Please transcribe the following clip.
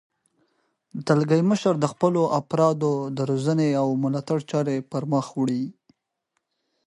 دلګی مشر د خپلو افرادو د روزنې او ملاتړ چارې پرمخ وړي.